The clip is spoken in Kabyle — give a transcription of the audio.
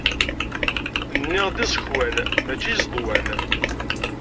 Nniɣ-d iẓekwan, mačči izeḍwan!